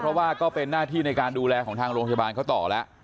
เพราะว่าก็เป็นหน้าที่ในการดูแลของทางโรงพยาบาลเขาต่อแล้ว